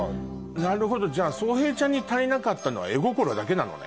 なるほどソウヘイちゃんに足りなかったのは絵心だけなのね？